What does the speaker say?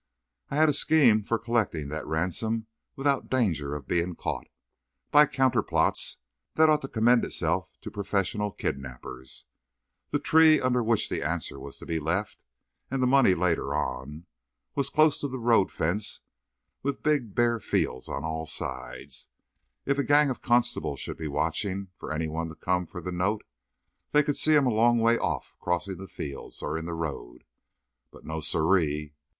I had a scheme for collecting that ransom without danger of being caught by counterplots that ought to commend itself to professional kidnappers. The tree under which the answer was to be left—and the money later on—was close to the road fence with big, bare fields on all sides. If a gang of constables should be watching for any one to come for the note they could see him a long way off crossing the fields or in the road. But no, sirree!